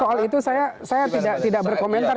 soal itu saya tidak berkomentar